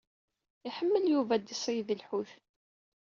Iḥemmel Yuba ad d-iṣeyyed lḥut.